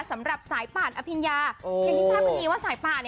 สำหรับสายป่านอภิญญาอย่างที่ทราบกันดีว่าสายป่าน